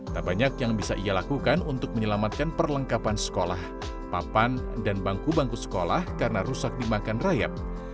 tak banyak yang bisa ia lakukan untuk menyelamatkan perlengkapan sekolah papan dan bangku bangku sekolah karena rusak dimakan rayap